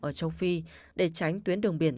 ở châu phi để tránh tuyến đường biển